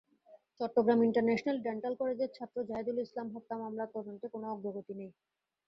Chittagong international dental কলেজের ছাত্র জাহেদুল ইসলাম হত্যা মামলার তদন্তে কোনো অগ্রগতি নেই।